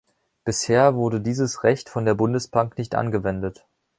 Bisher wurde dieses Recht von der Bundesbank nicht angewendet.